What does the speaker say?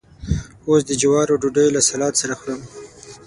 اوس د جوارو ډوډۍ له سلاد سره خورم.